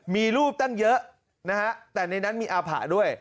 มีรูปตั้งเยอะนะฮะแต่ในนั้นมีอาผะด้วย